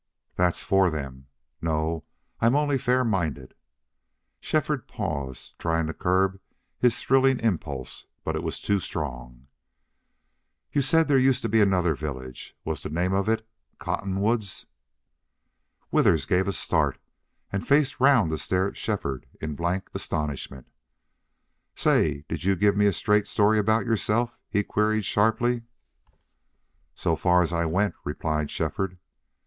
"That's for them." "No. I'm only fair minded." Shefford paused, trying to curb his thrilling impulse, but it was too strong. "You said there used to be another village.... Was the name of it Cottonwoods?" Withers gave a start and faced round to stare at Shefford in blank astonishment. "Say, did you give me a straight story about yourself?" he queried, sharply. "So far as I went," replied Shefford.